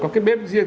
có cái bếp riêng